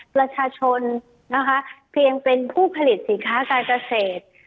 ประชาชนนะคะเพียงเป็นผู้ผลิตสินค้าการเกษตร